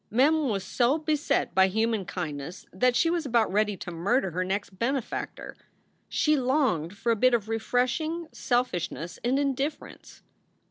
Mem was so beset by human kindness that she was about ready to murder her next benefactor. She longed for a bit of refreshing selfishness and indifference.